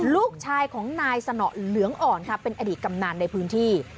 ลูกชายของนายสนอเหลืองอ่อนค่ะเป็นอดีตกำนันในพื้นที่